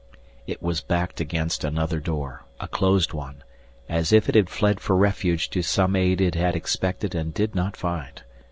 It was backed against another door, a closed one, as if it had fled for refuge to some aid it had expected and did not find.